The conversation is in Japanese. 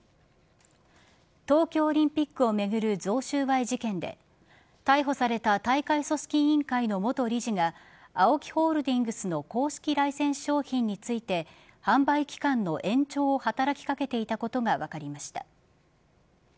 東京オリンピックを巡る贈収賄事件で逮捕された大会組織委委員会の元理事がＡＯＫＩホールディングスの公式ライセンス商品について販売期間の延長を働き掛けていたことが分かりました。